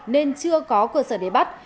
nên chưa có cơ sở để bắt